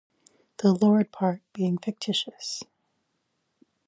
The 'Lord' part, being fictitious.